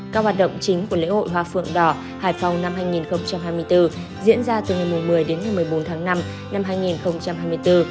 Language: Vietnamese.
các hoạt động chính của lễ hội hoa phượng đỏ hải phòng năm hai nghìn hai mươi bốn diễn ra từ ngày một mươi đến ngày một mươi bốn tháng năm năm hai nghìn hai mươi bốn